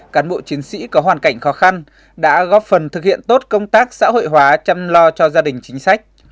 cán bộ chiến sĩ có hoàn cảnh khó khăn đã góp phần thực hiện tốt công tác xã hội hóa chăm lo cho gia đình chính sách